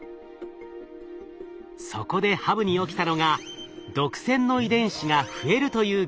そこでハブに起きたのが毒腺の遺伝子が増えるという現象。